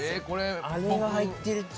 あれが入ってるって。